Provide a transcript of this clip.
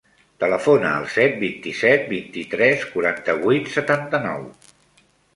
Telefona al set, vint-i-set, vint-i-tres, quaranta-vuit, setanta-nou.